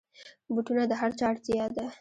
بوټونه د هرچا اړتیا ده.